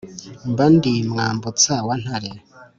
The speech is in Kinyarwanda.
Mba ndi Mwambutsa wa Ntare,